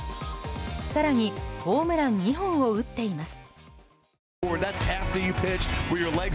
更にホームラン２本を打っています。